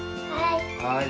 はい。